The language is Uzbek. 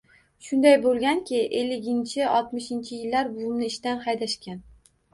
Shunday boʻlganki, elliginchi-oltmishinchi yillarda buvimni ishdan haydashgan